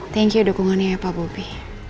terima kasih dukungannya ya pak bobi